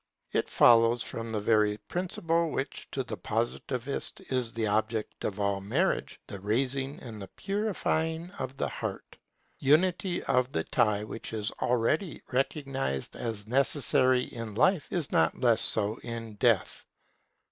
It follows from the very principle which to the Positivist is the object of all marriage, the raising and purifying of the heart. Unity of the tie which is already recognized as necessary in life, is not less so in death.